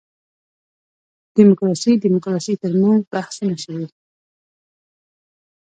دیموکراسي دیموکراسي تر منځ بحثونه شوي.